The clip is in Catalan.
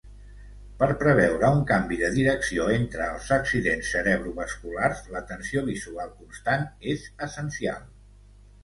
Per preveure un canvi de direcció entre els accidents cerebrovasculars, l'atenció visual constant és essencial.